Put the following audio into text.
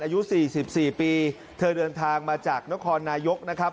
อายุ๔๔ปีเธอเดินทางมาจากนครนายกนะครับ